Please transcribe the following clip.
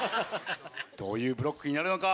どういうブロックになるのか？